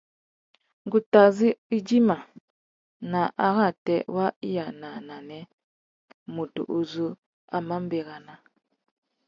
Ngu tà zú idjima; nà arrātê wa iya na nānê, mutu uzu a má nʼbérana.